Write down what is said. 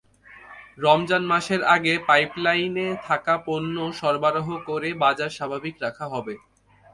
রমজান মাসের আগে পাইপলাইনে থাকা পণ্য সরবরাহ করে বাজার স্বাভাবিক রাখা হবে।